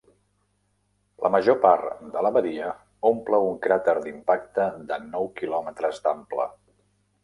La major par de la badia omple un cràter d'impacte de nou kilòmetres d'ample.